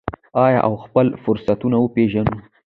آیا او خپل فرصتونه وپیژنو؟